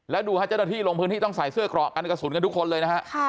แล้วดูฮะเจ้าหน้าที่ลงพื้นที่ต้องใส่เสื้อกรอกกันกระสุนกันทุกคนเลยนะฮะ